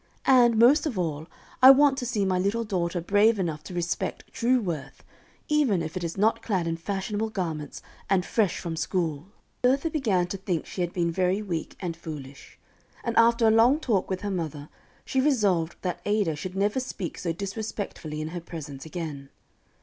And, most of all, I want to see my little daughter brave enough to respect true worth, even if it is not clad in fashionable garments, and fresh from school." [Illustration: The Carriage Came for Grandma.] Bertha began to think she had been very weak and foolish, and after a long talk with her mother, she resolved that Ada should never speak so disrespectfully in her presence again.